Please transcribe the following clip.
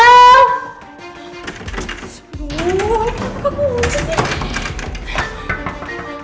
aduh kenapa kekunci sih